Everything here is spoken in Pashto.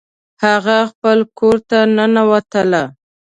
هغه خپل کور ته ننوتله